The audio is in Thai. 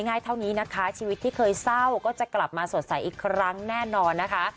ง่ายเท่านี้นะคะชีวิตที่เคยเศร้าก็จะกลับมาสดใสอีกครั้งแน่นอนนะคะ